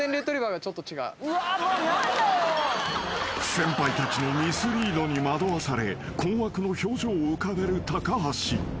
［先輩たちのミスリードに惑わされ困惑の表情を浮かべる橋］